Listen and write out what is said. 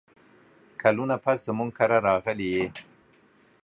کلونه پس زموږ کره راغلې یې !